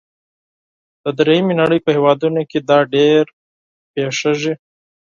د دریمې نړۍ په هیوادونو کې دا ډیر پیښیږي.